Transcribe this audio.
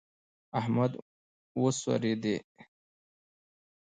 احمد وسورېدی.